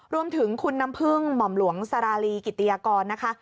รวมถึงคุณน้ำพึ่งหม่อมหลวงสาราลีกิติยากรนะคะ